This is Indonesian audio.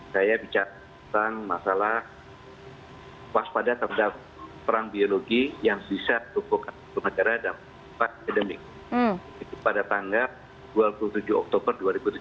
saya bicara tentang masalah pas pada terhadap perang biologi yang bisa menyebabkan kegagalan dan pandemi pada tanggal dua puluh tujuh oktober dua ribu tujuh belas